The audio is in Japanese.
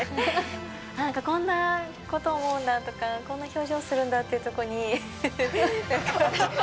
なんかこんなこと思うんだとか、こんな表情するんだっていうとこに、なんか。